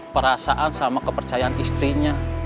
perasaan sama kepercayaan istrinya